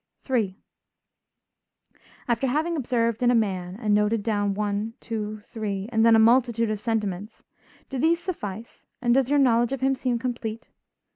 III After having observed in a man and noted down one, two, three, and then a multitude of sentiments, do these suffice and does your knowledge of him seem complete?